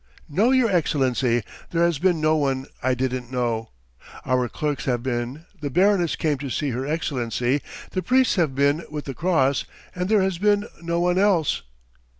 "No, your Excellency, there has been no one I didn't know. Our clerks have been, the baroness came to see her Excellency, the priests have been with the Cross, and there has been no one else.